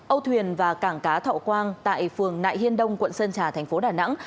âu thuyền và cảng cá thọ quang tại phường nại hiên đông quận sơn trà tp đà nẵng